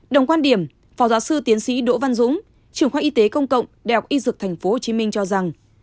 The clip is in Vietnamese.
đồng quan điểm phó giáo sư tiến sĩ đỗ văn dũng trưởng khoa y tế công cộng đại học y dược tp hcm cho rằng